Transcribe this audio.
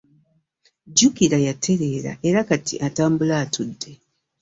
Jjuuko yatereera era kati atambula atudde.